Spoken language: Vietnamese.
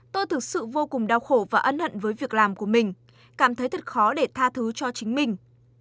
tôi thực sự vô cùng đau khổ và ân hận với việc làm của mình cảm thấy thật khó để tha thứ cho chính mình